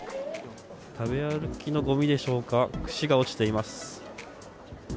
食べ歩きのごみでしょうか、串が落ちています。